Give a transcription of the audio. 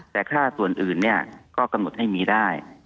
แต่ค่าส่วนอื่นเนี่ยก็กำหนดให้มีได้